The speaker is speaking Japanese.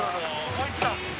・もう一段。